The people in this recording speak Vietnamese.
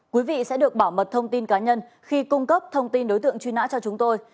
quý vị sẽ được bảo mật thông tin cá nhân khi cung cấp thông tin đối tượng truy nã cho chúng tôi